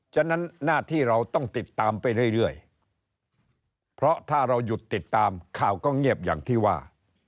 ฉะนั้นหน้าที่เราต้องติดตามไปเรื่อยเพราะถ้าเราหยุดติดตามข่าวก็เงียบอย่างที่ว่า